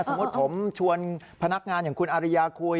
สมมุติผมชวนพนักงานอย่างคุณอาริยาคุย